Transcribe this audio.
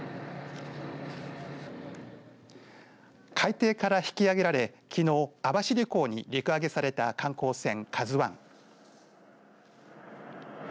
海底から引き揚げられきのう、網走港に陸揚げされた観光船ＫＡＺＵＩ。